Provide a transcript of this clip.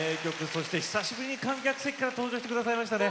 そして久しぶりに観客席から登場して下さいましたね。